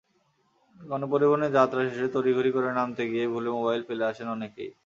গণপরিবহনে যাত্রা শেষে তড়িঘড়ি করে নামতে গিয়ে ভুলে মোবাইল ফেলে আসেন অনেকেই।